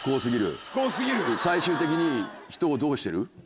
最終的に人をどうしてる？